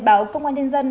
báo công an nhân dân